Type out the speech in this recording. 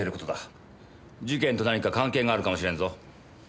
事件と何か関係があるかもしれんぞ。